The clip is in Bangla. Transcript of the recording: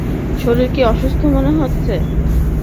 শরীর কি অসুখ মনে হচ্ছে?